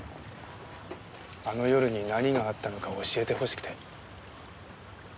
あの夜に何があったのかを教えてほしくて。